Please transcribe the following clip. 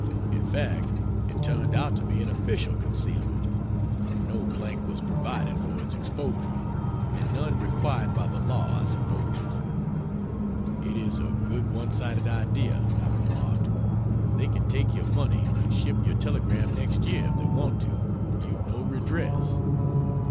In fact it turned out to be an official concealment no blank was provided for its exposure. And none required by the law, I suppose. "It is a good one sided idea," I remarked; "They can take your money and ship your telegram next year if they want to you've no redress.